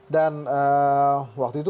dan waktu itu